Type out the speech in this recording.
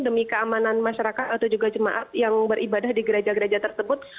demi keamanan masyarakat atau juga jemaat yang beribadah di gereja gereja tersebut